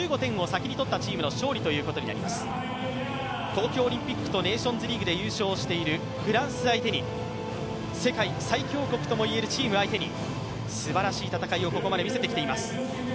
東京オリンピックとネーションズリーグで優勝しているフランス相手に世界最強国とも言えるチーム相手にすばらしい戦いをここまで見せてきています。